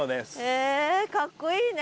へえかっこいいね。